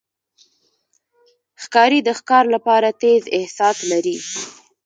ښکاري د ښکار لپاره تیز احساس لري.